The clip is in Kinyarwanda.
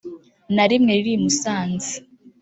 na rimwe riri i Musanze